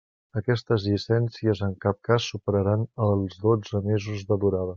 Aquestes llicències en cap cas superaran els dotze mesos de durada.